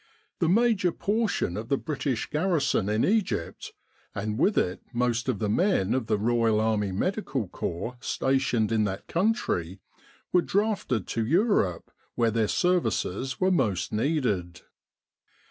The major portion of the British garrison in Egypt, and with it most of the men of the Royal Army Medical Corps stationed in that country, were drafted to Europe where their services were most needed.